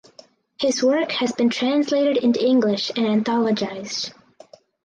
His work has been translated into English and anthologized.